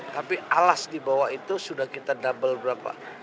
tapi alas di bawah itu sudah kita double berapa